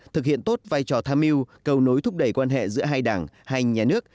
thực hiện tốt vai trò tham mưu cầu nối thúc đẩy quan hệ giữa hai đảng hai nhà nước